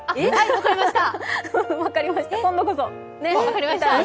分かりました！